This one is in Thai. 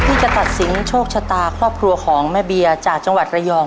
ที่จะตัดสินโชคชะตาครอบครัวของแม่เบียจากจังหวัดระยอง